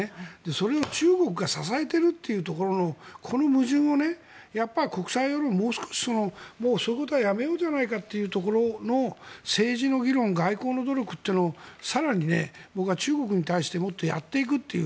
それを中国が支えているというところのこの矛盾を国際世論、そういうことはやめようじゃないかという政治の議論外交の努力というのを更に、僕は中国に対してもっとやっていくという。